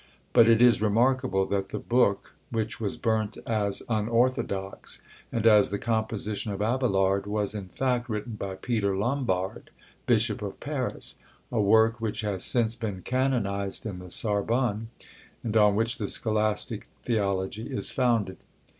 But it is remarkable that the book which was burnt as unorthodox, and as the composition of Abelard, was in fact written by Peter Lombard, Bishop of Paris; a work which has since been canonised in the Sarbonne, and on which the scholastic theology is founded.